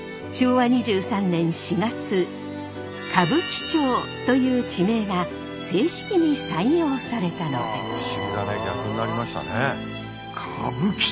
昭和２３年４月歌舞伎町という地名が正式に採用されたのです。